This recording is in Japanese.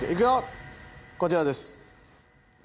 こちらです。